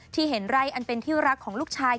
เห็นไร่อันเป็นที่รักของลูกชาย